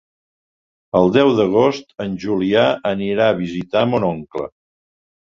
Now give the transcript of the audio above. El deu d'agost en Julià anirà a visitar mon oncle.